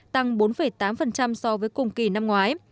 tăng bốn tám so với cùng kỳ năm ngoái